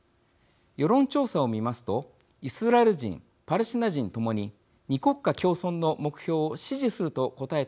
世論調査を見ますとイスラエル人パレスチナ人ともに２国家共存の目標を支持すると答えた人の割合が減り続け